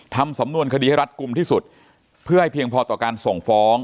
ทำสำนวนคดีให้รัฐกลุ่มที่สุดเพื่อให้เพียงพอต่อการส่งฟ้อง